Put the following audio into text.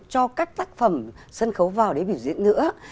cho các tác phẩm sân khấu vào để biểu diễn nữa